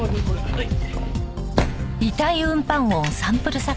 はい。